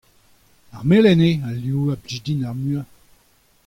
ar melen eo al liv a blij din ar muiañ.